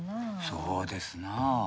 そうですなあ。